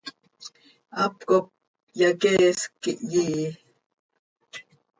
Hap cop hyaqueesc quih iyii.